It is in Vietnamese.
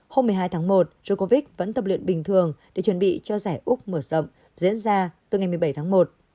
hôm một mươi hai tháng một jorvis vẫn tập luyện bình thường để chuẩn bị cho giải úc mở rộng diễn ra từ ngày một mươi bảy tháng một